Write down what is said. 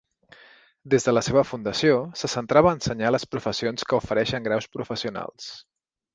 Des de la seva fundació, se centrava a ensenyar les professions que ofereixen graus professionals.